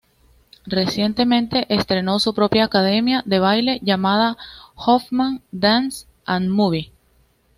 Recientemente estrenó su propia academia de baile llamada Hoffman Dance and Move.